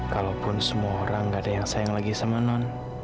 kalaupun semua orang gak ada yang sayang lagi sama non